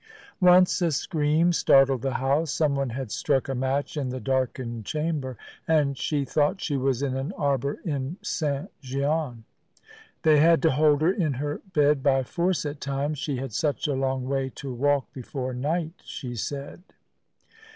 Once a scream startled the house. Someone had struck a match in the darkened chamber, and she thought she was in an arbour in St. Gian. They had to hold her in her bed by force at times; she had such a long way to walk before night, she said.